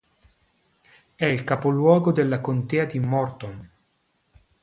È il capoluogo della contea di Morton.